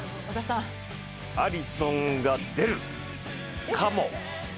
アリソンが出るかも。